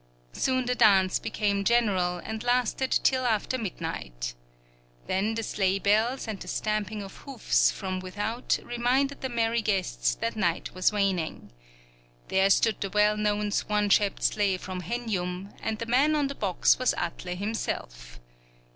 Soon the dance became general, and lasted till after midnight. Then the sleigh bells and the stamping of hoofs from without reminded the merry guests that night was waning. There stood the well known swan shaped sleigh from Henjum, and the man on the box was Atle himself.